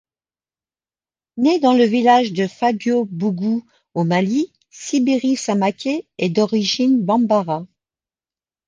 Né dans le village de Fadiobougou au Mali, Sibiri Samaké est d'origine bambara.